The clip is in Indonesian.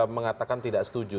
mengatakan tidak setuju